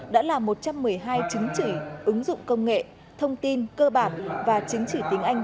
đã là một trăm một mươi hai chứng chỉ ứng dụng công nghệ thông tin cơ bản và chứng chỉ tiếng anh